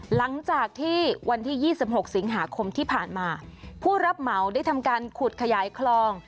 หลังจากที่วันที่๒๖สิงหาคมที่ผ่านมาผู้รับเหมาได้ทำการขุดขยายคลอง